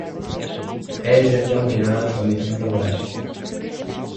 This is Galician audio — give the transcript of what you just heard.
É esencial mellorar as condicións laborais.